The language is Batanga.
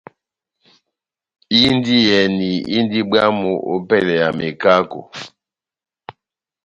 Indiyɛni indi bwámu ópɛlɛ ya mekako.